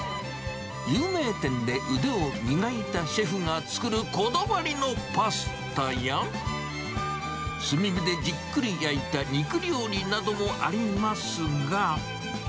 有名店で腕を磨いたシェフが作るこだわりのパスタや、炭火でじっくり焼いた肉料理などもありますが。